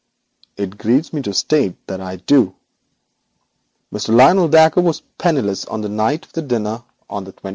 'It grieves me to state that I do. Mr. Lionel Dacre was penniless on the night of the dinner.'